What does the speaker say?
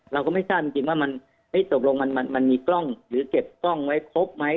เราก็ไม่ทราบจริงว่ามันตกลงมันมีกล้องหรือเก็บกล้องไว้ครบไหม